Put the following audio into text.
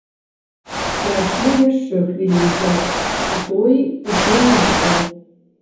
Прайшло яшчэ хвілін пяць, а той усё не ішоў.